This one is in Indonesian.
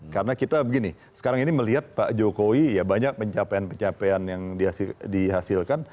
karena kita begini sekarang ini melihat pak jokowi ya banyak pencapaian pencapaian yang dihasilkan